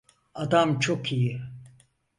Adam çok iyi.